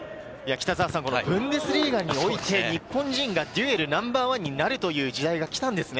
ブンデスリーガにおいて日本人がデュエルナンバーワンになるという時代が来たんですね。